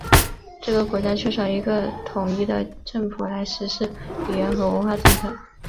这个国家缺少一个统一的政府来实施语言和文化政策。